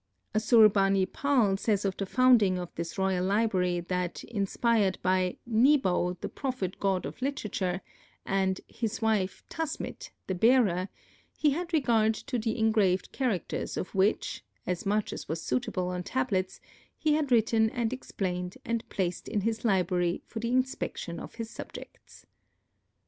Assur bani pal says of the founding of his royal library, that inspired by "Nebo, the prophet god of Literature," and "his wife, Tasmit, the Bearer," he had regard to the engraved characters of which, as much as was suitable on tablets, he had written and explained and placed in his library for the inspection of his subjects.